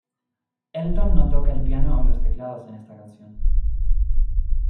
Elton no toca el piano o los teclados en esta canción.